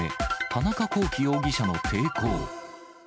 田中聖容疑者の抵抗。